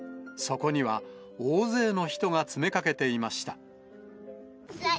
そこには大勢の人が詰めかけていました。